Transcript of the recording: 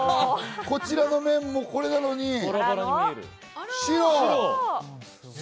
こちらの面もこれなのに白。